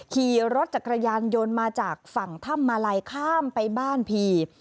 ขี่รถจักรยานยนต์มาจากฝั่งถ้ำมาลัยข้ามไปบ้านผี